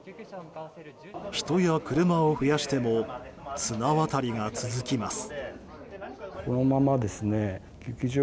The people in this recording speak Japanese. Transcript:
人や車を増やしても綱渡りが続きます。